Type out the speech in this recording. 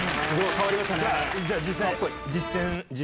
すごい変わりましたね。